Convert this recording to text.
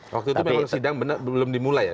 waktu itu memang sidang belum dimulai ya